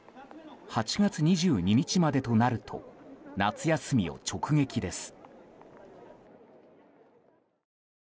８月２２日までとなると夏休みを直撃です。